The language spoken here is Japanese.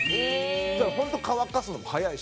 だから、本当乾かすのも早いし。